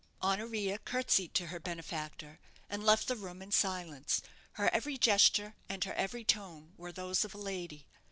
Honoria curtseyed to her benefactor, and left the room in silence. Her every gesture and her every tone were those of a lady.